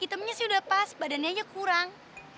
hitamnya sih udah pas badannya aja kurang